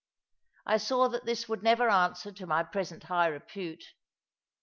I saw that this would never answer to my present high repute.